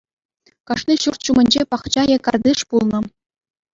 Кашни ҫурт ҫумӗнче пахча е картиш пулнӑ.